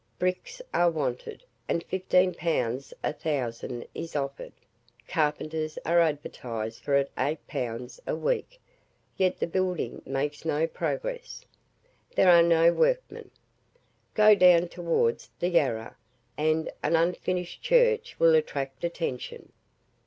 Bricks are wanted, and 15 pounds a thousand is offered; carpenters are advertized for at 8 pounds a week; yet the building makes no progress there are no workmen. Go down towards the Yarra, and an unfinished Church will attract attention.